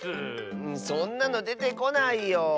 そんなのでてこないよ。